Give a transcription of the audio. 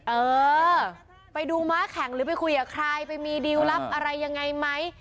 เออไปดูม้าแข็งหรือไปคุยกับใครไปมีดิวลลับอะไรยังไงไหม